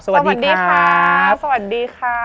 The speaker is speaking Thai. สวัสดีครับ